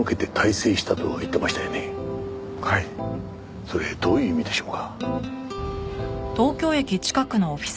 それどういう意味でしょうか？